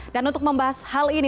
dan untuk membahas hal ini